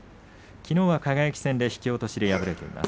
きのうは輝戦引き落としで敗れています。